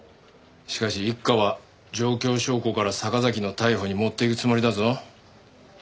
しかし一課は状況証拠から坂崎の逮捕にもっていくつもりだぞ。